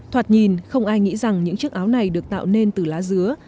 thoạt nhìn không ai nghĩ rằng những chiếc áo này được tạo nên từ lá dứa